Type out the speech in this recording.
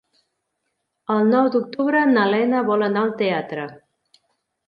El nou d'octubre na Lena vol anar al teatre.